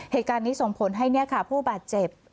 เหตุการณ์นี้ส่งผลให้ผู้บาดเจ็บ